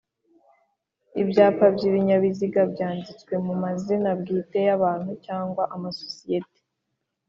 Ibyapa by ibinyabiziga byanditswe mu mazina bwite y abantu cyangwa amasosiyete